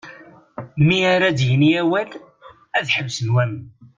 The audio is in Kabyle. Mi ara d-yini awal, ad ḥebsen waman.